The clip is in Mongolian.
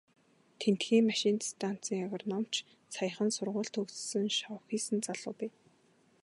Тэндхийн машинт станцын агрономич, саяхан сургууль төгссөн шавхийсэн залуу бий.